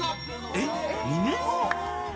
えっ？２年後？